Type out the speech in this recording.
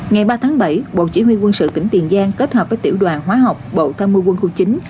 ngày ba tháng bảy bộ chỉ huy quân sự tỉnh tiền giang kết hợp với tiểu đoàn hóa học bộ tham mưu quân khu chín